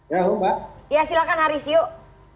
ya lo mbak ya silahkan haris yuk